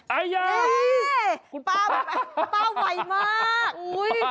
คุณป้าไวมาก